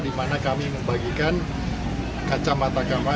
di mana kami membagikan kacamata kamar